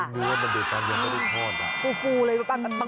รู้มั้ยว่ามันเดี๋ยวตอนนี้ไม่ได้ทอดอ่ะ